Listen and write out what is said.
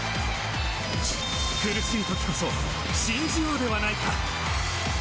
苦しい時こそ信じようではないか。